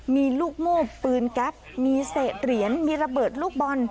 มีลูกโม่ปืนแก๊ปมีเศษเหรียญมีระเบิดลูกบอล